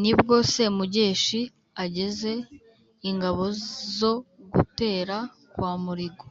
nibwo semugeshi ageze ingabo zo gutera kwa muligo.